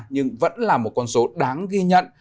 nhưng vẫn là một con số đáng ghi nhận